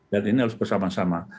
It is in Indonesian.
dan ini harus bersama sama